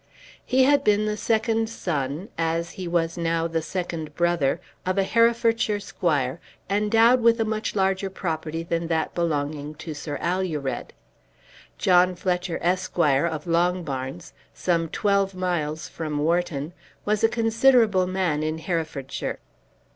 He had been the second son, as he was now the second brother, of a Herefordshire squire endowed with much larger property than that belonging to Sir Alured. John Fletcher, Esq., of Longbarns, some twelve miles from Wharton, was a considerable man in Herefordshire.